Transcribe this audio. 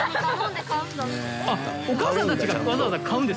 あっお母さんたちがわざわざ買うんですか？